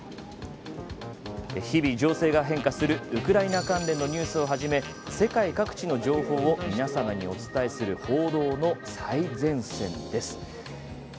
日々情勢が変化するウクライナ関連のニュースをはじめ世界各地の情報を皆様にお伝えする報道の最前線です。